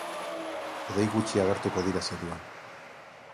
Hodei gutxi agertuko dira zeruan.